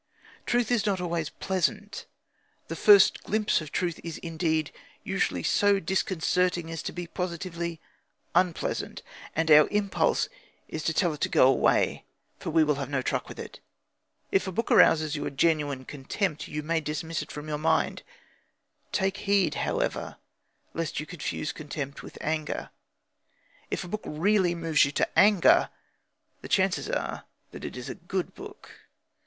Truth is not always pleasant. The first glimpse of truth is, indeed, usually so disconcerting as to be positively unpleasant, and our impulse is to tell it to go away, for we will have no truck with it. If a book arouses your genuine contempt, you may dismiss it from your mind. Take heed, however, lest you confuse contempt with anger. If a book really moves you to anger, the chances are that it is a good book.